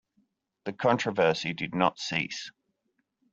The controversy did not cease.